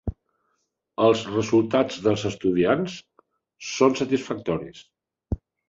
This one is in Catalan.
Els resultats dels estudiants són satisfactoris.